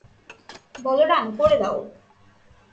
বলরাম, করে দাও।